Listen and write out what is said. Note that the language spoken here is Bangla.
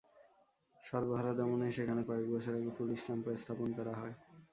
সর্বহারা দমনে সেখানে কয়েক বছর আগে পুলিশ ক্যাম্পও স্থাপন করা হয়।